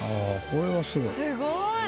これはすごい。